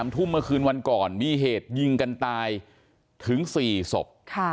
ทุ่มเมื่อคืนวันก่อนมีเหตุยิงกันตายถึง๔ศพ